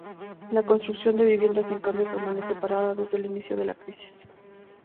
La construcción de viviendas, en cambio, permanece parada desde el inicio de la crisis.